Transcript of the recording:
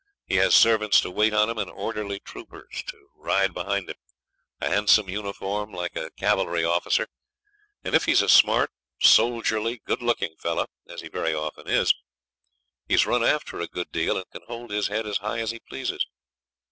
He has servants to wait on him, and orderly troopers to ride behind him; a handsome uniform like a cavalry officer; and if he's a smart, soldierly, good looking fellow, as he very often is, he's run after a good deal and can hold his head as high as he pleases.